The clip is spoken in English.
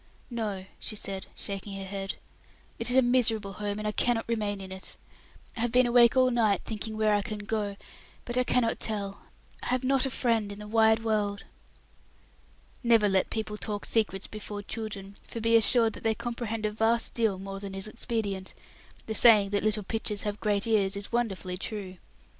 "No," she said, shaking her head, "it is a miserable home, and I cannot remain in it. I have been awake all night, thinking where I can go, but I cannot tell; I have not a friend in the wide world." Never let people talk secrets before children, for be assured that they comprehend a vast deal more than is expedient; the saying "that little pitchers have great ears" is wonderfully true.